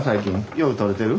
よう取れてる？